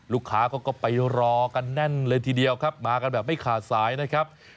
ลูกค้าเขาก็ไปรอกันแน่นเลยทีเดียวครับมากันแบบไม่ขาดสายนะครับ